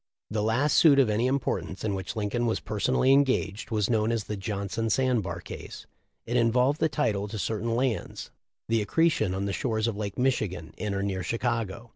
"* The last suit of any importance in which Lin coln was personally engaged, was known as the Johnson sand bar case. It involved the title to certain lands, the accretion on the shores of Lake Michigan, in or near Chicago.